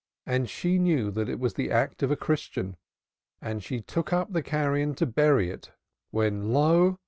And she knew that it was the act of a Christian and she took up the carrion to bury it when Lo!